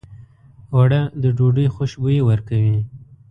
اوړه د ډوډۍ خوشبويي ورکوي